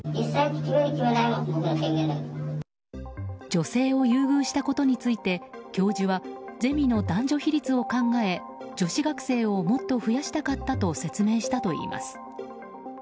女性を優遇したことについて教授はゼミの男女比率を考え女子学生をもっと増やしたかったと説明したといいます。